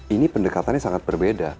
ini pendekatannya sangat berbeda